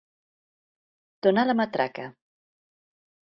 Donar la matraca.